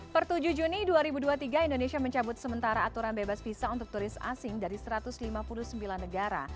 per tujuh juni dua ribu dua puluh tiga indonesia mencabut sementara aturan bebas visa untuk turis asing dari satu ratus lima puluh sembilan negara